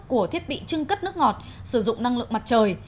của thiết bị trưng cất nước ngọt sử dụng năng lượng mặt trời